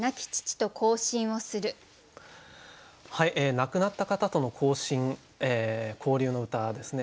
亡くなった方との交信交流の歌ですね。